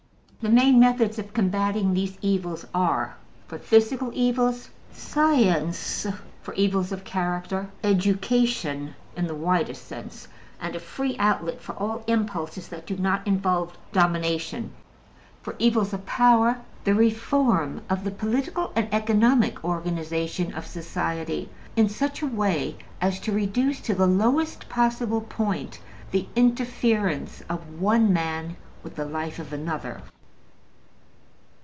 The main methods of combating these evils are: for physical evils, science; for evils of character, education (in the widest sense) and a free outlet for all impulses that do not involve domination; for evils of power, the reform of the political and economic organization of society in such a way as to reduce to the lowest possible point the interference of one man with the life of another.